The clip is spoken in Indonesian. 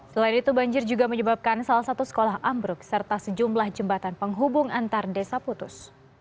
selain itu banjir juga menyebabkan salah satu sekolah ambruk serta sejumlah jembatan penghubung antar desa putus